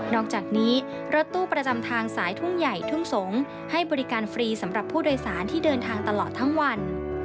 อกจากนี้รถตู้ประจำทางสายทุ่งใหญ่ทุ่งสงศ์ให้บริการฟรีสำหรับผู้โดยสารที่เดินทางตลอดทั้งวัน